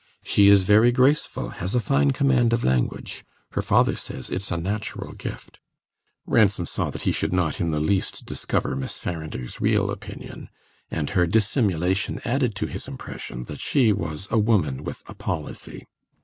"She is very graceful, has a fine command of language; her father says it's a natural gift." Ransom saw that he should not in the least discover Mrs. Farrinder's real opinion, and her dissimulation added to his impression that she was a woman with a policy.